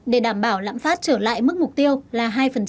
để đảm bảo lãm phát trở lại mức mục tiêu là hai